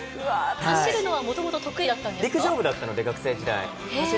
走るのはもともと得意だった陸上部だったので、学生時代。